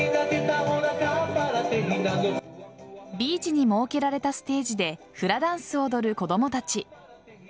ビーチに設けられたステージでフラダンスを踊る子供たち。